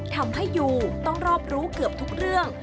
ยูต้องรอบรู้เกือบทุกเรื่อง